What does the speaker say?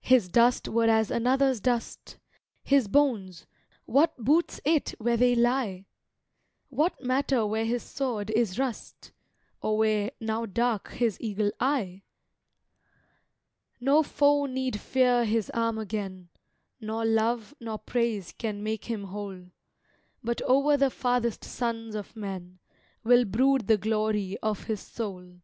His dust were as another's dust; His bones what boots it where they lie? What matter where his sword is rust, Or where, now dark, his eagle eye? No foe need fear his arm again, Nor love, nor praise can make him whole; But o'er the farthest sons of men Will brood the glory of his soul.